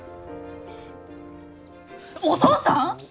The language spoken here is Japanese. お父さん！？